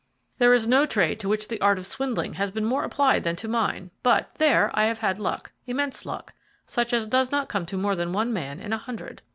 There is no trade to which the art of swindling has been more applied than to mine; but, there, I have had luck, immense luck, such as does not come to more than one man in a hundred."